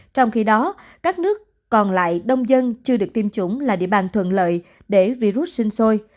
trong khi đó các nước còn lại đông dân chưa được tiêm chủng là địa bàn thuận lợi để virus sinh sôi